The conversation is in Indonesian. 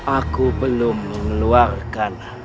aku belum mengeluarkan